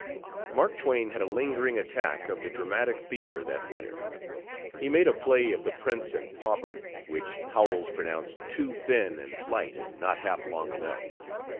Mark Twain had a lingering attack of the dramatic fever that winter. He made a play of the Prince and Pauper, which Howells pronounced "too thin and slight and not half long enough."